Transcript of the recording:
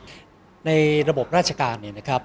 ก็ต้องทำอย่างที่บอกว่าช่องคุณวิชากำลังทำอยู่นั่นนะครับ